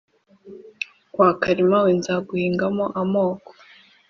wa karima we nzaguhingamo amoko